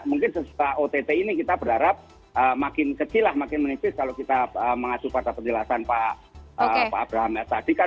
mungkin setelah ott ini kita berharap makin kecil lah makin menipis kalau kita mengacu pada penjelasan pak abraham tadi kan